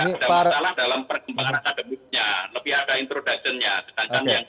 introducenya sedangkan yang